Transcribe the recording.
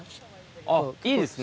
あっいいですね。